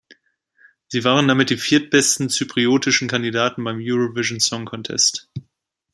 Sie waren damit die viertbesten zypriotischen Kandidaten beim Eurovision Song Contest.